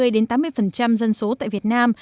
dân số tại việt nam